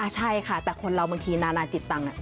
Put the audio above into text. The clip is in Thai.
ใช่ค่ะแต่คนเราบางทีนานาจิตตังค์